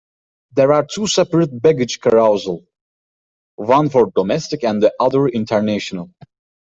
There are two separate baggage carousel, one for domestic and the other international.